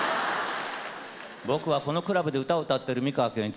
僕はこのクラブで歌を歌ってる美川憲一。